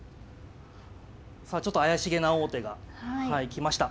さあちょっと怪しげな王手がはい来ました。